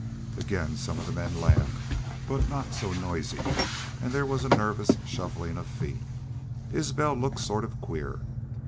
"Ag'in some of the men laughed, but not so noisy, an' there was a nervous shufflin' of feet. Isbel looked sort of queer.